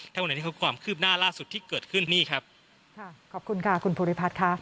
ทั้งหมดนี้คือความคืบหน้าล่าสุดที่เกิดขึ้นนี่ครับค่ะขอบคุณค่ะคุณภูริพัฒน์ค่ะ